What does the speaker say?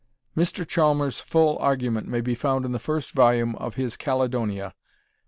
Mr. Chalmers' full argument may be found in the first volume of his Caledonia, p.